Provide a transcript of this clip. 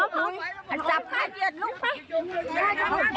โอ้โฮนี่แหละมันจะถ่ายอยู่ล่ะ